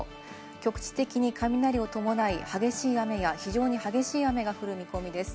局地的に雷を伴い激しい雨や、非常に激しい雨が降る見込みです。